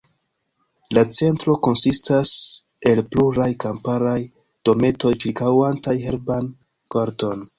La Centro konsistas el pluraj kamparaj dometoj ĉirkaŭantaj herban korton.